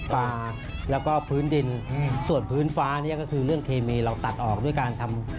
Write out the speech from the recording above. ปลาแล้วก็พื้นดินส่วนพื้นฟ้าเนี่ยก็คือเรื่องเคมีเราตัดออกด้วยการทำ